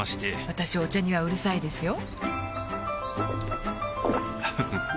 私お茶にはうるさいですよ